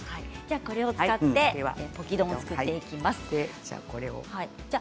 これを使ってポキ丼を作っていただきます。